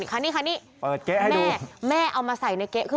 นี่ขันที่แม่เอามาใส่ในเก๊